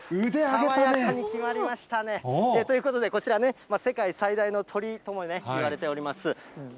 爽やかに決まりましたね。ということで、こちらね、世界最大の鳥ともいわれております